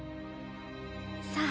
さあ。